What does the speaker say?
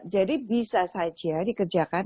jadi bisa saja dikerjakan